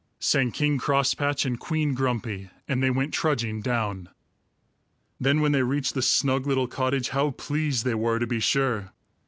sang King Crosspatch and Queen Grumpy, and they went trudging down. Then when they reached the snug little cottage, how pleased they were to be sure!